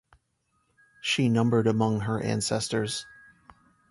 She numbered among her ancestors.